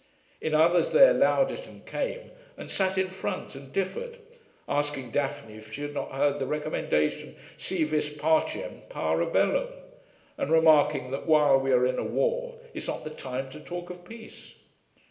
In others they allowed it and came, and sat in front, and differed, asking Daphne if she had not heard the recommendation, Si vis pacem, para bellum, and remarking that while we are in a war is not the time to talk of peace.